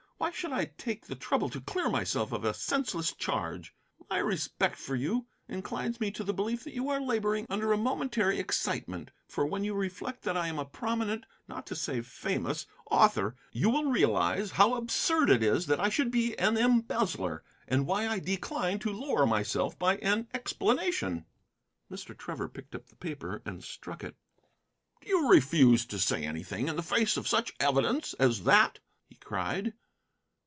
Why I should take the trouble to clear myself of a senseless charge? My respect for you inclines me to the belief that you are laboring under a momentary excitement; for when you reflect that I am a prominent, not to say famous, author, you will realize how absurd it is that I should be an embezzler, and why I decline to lower myself by an explanation." Mr. Trevor picked up the paper and struck it. "Do you refuse to say anything in the face of such evidence as that?" he cried.